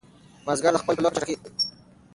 مازیګر د خپل پای په لور په چټکۍ روان دی.